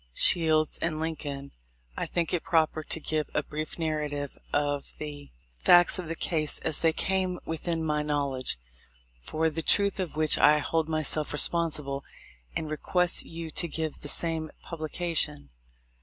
Shields and Lincoln, I think it proper to give a brief narrative of the 244 THE LIFE OF LINCOLN. facts of the case, as they came within my knowl edge ; for the truth of which I hold myself respon sible, and request you to give the same pub lication.